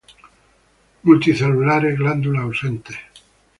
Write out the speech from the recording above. Multicelulares glándulas ausentes.